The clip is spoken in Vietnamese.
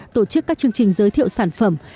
tổ chức các chương trình giới thiệu sản phẩm